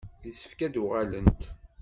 Yessefk ad d-uɣalent.